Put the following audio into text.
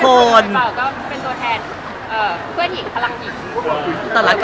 ตอนนี้ถูกไม่ได้ทีกันเลยค่ะ